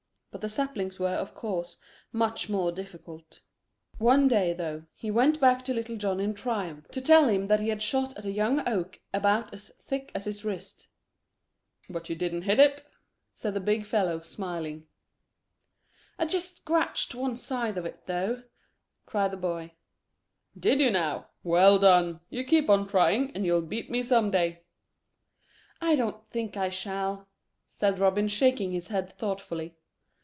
But the saplings were, of course, much more difficult. One day though, he went back to Little John in triumph to tell him that he had shot at a young oak about as thick as his wrist. "But you didn't hit it?" said the big fellow, smiling. "I just scratched one side of it though," cried the boy. "Did you now? Well done! You keep on trying, and you'll beat me some day." "I don't think I shall," said Robin, shaking his head thoughtfully.